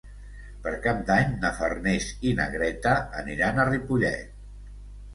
Per Cap d'Any na Farners i na Greta aniran a Ripollet.